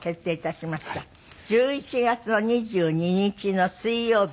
１１月の２２日の水曜日